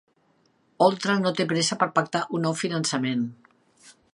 Oltra no té pressa per pactar un nou finançament